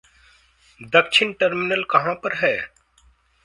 दक्षिण टर्मिनल कहाँ पर है?